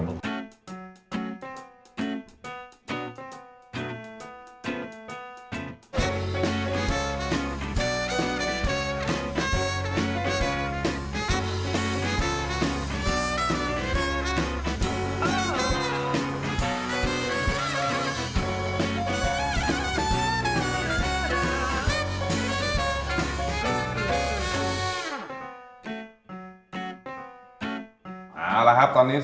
เอ่อแล้วครับคอนนี้